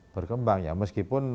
berkembang ya meskipun